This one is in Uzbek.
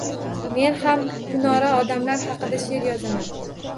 Men ham kunora odamlar haqida she’r yozaman.